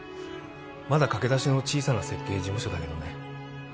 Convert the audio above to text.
まだ駆け出しの小さな設計事務所だけどね